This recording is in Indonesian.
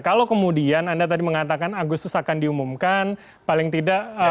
kalau kemudian anda tadi mengatakan agustus akan diumumkan paling tidak